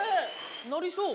鳴りそう。